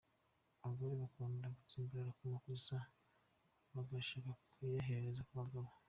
Abagore bakunda gutsimbarara ku makosa, bagashaka kuyaherereza ku bagabo.